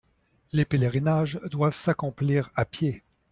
Les pèlerinages doivent s'accomplir à pied.